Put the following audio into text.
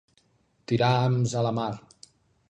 Tirar hams a la mar.